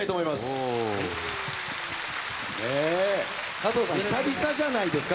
加藤さん久々じゃないですか？